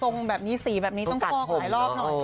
ตรงแบบนี้สีแบบนี้ต้องฝาวหลายรอบนะ